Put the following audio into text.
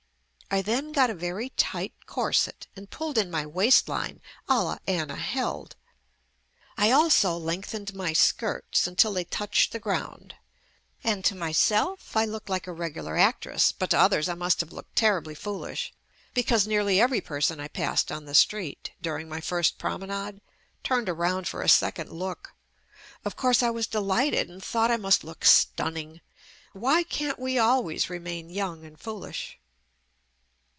I then got a very tight corset and pulled in my waist line a la "Anna Held." I also lengthened my skirts until they touched the ground, and to myself I looked like a regular actress, but to others I must have looked terribly foolish, be cause nearly every person I passed on the street, during my first promenade, turned TO JUST ME around for a second look. Of course, I was delighted and thought I must look "stunning." Why can't we always remain young and fool ish?